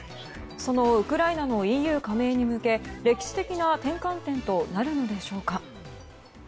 そのウクライナのＥＵ加盟に向け歴史的な転換点となるのでしょうか。